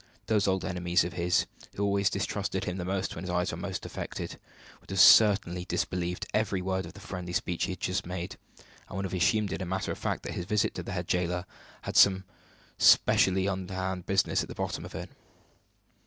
Those old enemies of his, who always distrusted him most when his eyes were most affected, would have certainly disbelieved every word of the friendly speech he had just made, and would have assumed it as a matter of fact that his visit to the head jailer had some specially underhand business at the bottom of it.